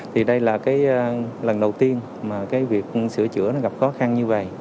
thì đây là lần đầu tiên mà việc sửa chữa gặp khó khăn như vầy